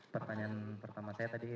pertanyaan pertama saya tadi